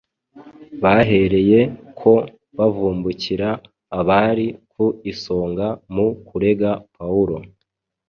bahereye ko bavumbukira abari ku isonga mu kurega Pawulo.